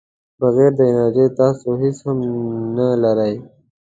بغیر د انرژۍ تاسو هیڅ هم نه لرئ.